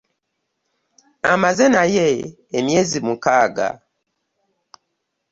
Amaze naye emyezi mukaaga.